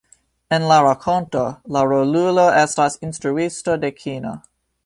En la rakonto, la rolulo estas instruisto de kino.